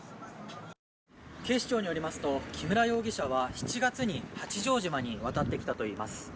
警視庁によりますと木村容疑者は、７月に八丈島に渡ってきたといいます。